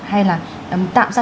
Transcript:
hay là tạo ra